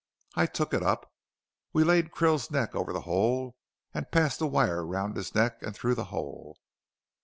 I took it up. We laid Krill's neck over the hole, and passed the wire round his neck and through the hole.